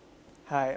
はい。